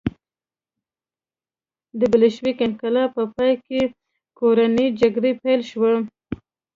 د بلشویک انقلاب په پایله کې کورنۍ جګړه پیل شوه